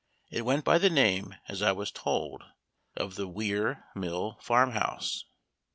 It went by the name, as I was told, of the Weir Mill farmhouse.